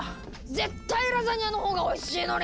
絶対ラザニアの方がおいしいのに！